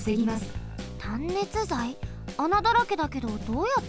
あなだらけだけどどうやって？